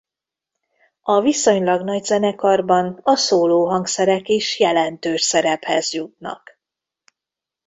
A viszonylag nagy zenekarban a szólóhangszerek is jelentős szerephez jutnak.